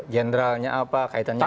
jenderalnya apa kaitannya apa